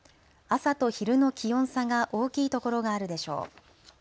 朝と昼の気温差が大きい所があるでしょう。